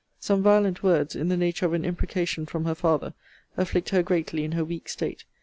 Some violent words, in the nature of an imprecation, from her father, afflict her greatly in her weak state.